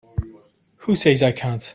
Who says I can't?